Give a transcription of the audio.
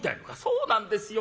「そうなんですよ。